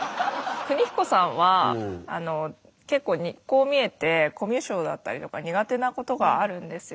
邦彦さんは結構こう見えてコミュ障だったりとか苦手なことがあるんですよ。